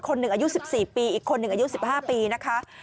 คนหนึ่งอายุสิบสี่ปีอีกคนหนึ่งอายุสิบห้าปีนะคะ